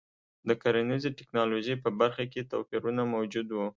د کرنیزې ټکنالوژۍ په برخه کې توپیرونه موجود وو.